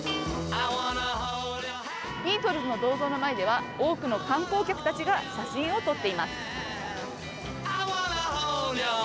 ビートルズの銅像の前では多くの観光客たちが写真を撮っています。